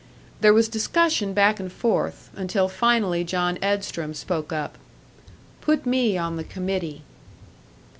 There was discussion back and forth, until finally John Edstrom spoke up. "Put me on the committee."